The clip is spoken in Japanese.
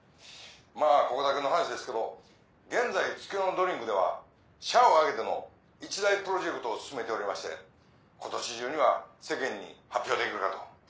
まぁここだけの話ですけど現在月夜野ドリンクでは社を挙げての一大プロジェクトを進めておりまして今年中には世間に発表できるかと。